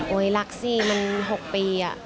โอ๊ยรักสิมัน๖ปี